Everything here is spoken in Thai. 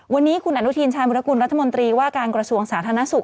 วันนี้คุณอนุทินชายมุรกุลรัฐมนตรีว่าการกระทรวงสาธารณสุข